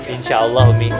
insya allah umi